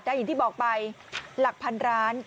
แต่อย่างที่บอกไปหลักพันร้าน